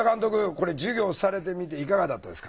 これ授業されてみていかがだったですか？